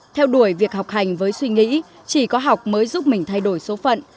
theo đuổi việc học hành với suy nghĩ chỉ có học mới giúp mình thay đổi số phận